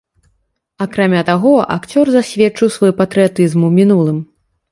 Акрамя таго, акцёр засведчыў свой патрыятызм у мінулым.